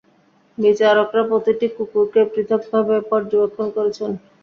বিচারকরা প্রতিটি কুকুরকে পৃথকভাবে পর্যবেক্ষণ করছেন।